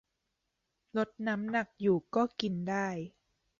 ลดน้ำหนักอยู่ก็กินได้